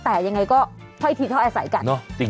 แต่ยังไงก็ค่อยทีท้ายใส่กัน